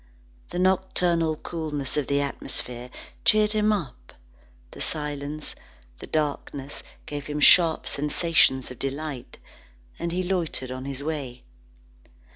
The nocturnal coolness of the atmosphere cheered him up; the silence, the darkness gave him sharp sensations of delight, and he loitered on his way.